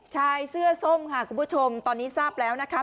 ชายเสื้อส้มค่ะคุณผู้ชมตอนนี้ทราบแล้วนะคะ